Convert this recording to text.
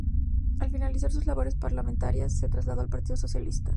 Al finalizar sus labores parlamentarias se trasladó al Partido Socialista.